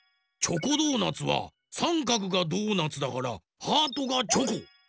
チョコドーナツはさんかくがドーナツだからハートがチョコ。